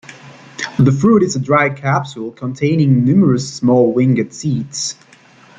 The fruit is a dry capsule containing numerous small winged seeds.